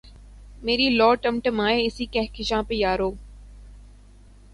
میری لؤ ٹمٹمائے اسی کہکشاں پہ یارو